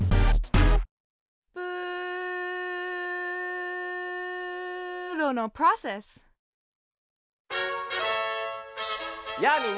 プーロのプロセスやあみんな！